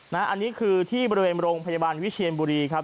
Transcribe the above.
อันนี้คือที่บริเวณโรงพยาบาลวิเชียนบุรีครับ